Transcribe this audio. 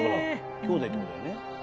兄弟ってことだよね。